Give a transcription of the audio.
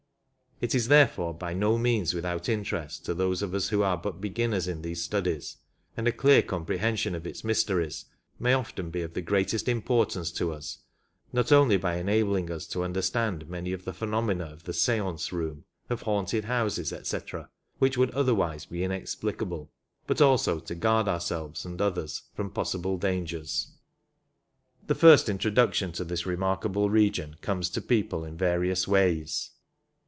It is therefore by no means without interest to those of us who are but beginners in these studies, and a clear comprehension of its mysteries may often be of the greatest importance to us, not only l)y enabling us to understand many of the phenomena of the seartce room, of haunted houses, etc., which would otherwise be inexplicable, but also to guard ourselves and others from possible dangers. The first introduction to this remarkable region comes to people in various ways.